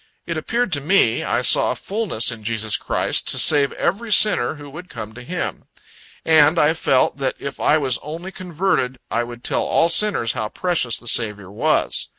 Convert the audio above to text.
It appeared to me, I saw a fullness in Jesus Christ, to save every sinner who would come to Him. And I felt, that if I was only converted, I would tell all sinners how precious the Saviour was.